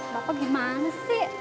bapak gimana sih